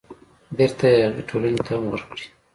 بېرته يې هغې ټولنې ته هم ورکړي.